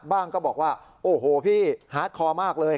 ก็บอกว่าโอ้โหพี่ฮาร์ดคอมากเลย